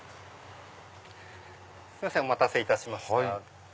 お待たせいたしました。